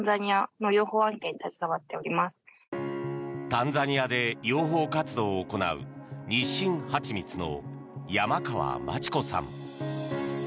タンザニアで養蜂活動を行う日新蜂蜜の山川真知子さん。